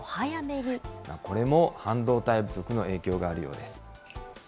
これも半導体不足の影響があるようです。